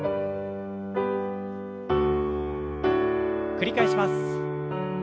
繰り返します。